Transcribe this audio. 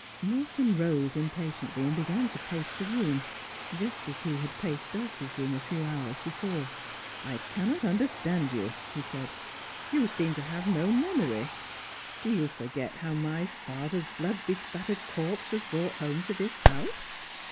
Morton rose impatiently, and began to pace the room, just as he had paced Dulcie's room a few hours before. ' I cannot understand you,' he said. ' You seem to have no memory. Do you forget how my father's blood bespattered corpse was brought home to this house